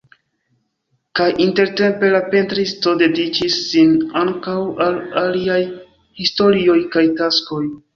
Kaj intertempe la pentristo dediĉis sin ankaŭ al aliaj historioj kaj taskoj.